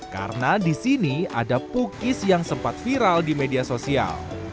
karena di sini ada pukis yang sempat viral di media sosial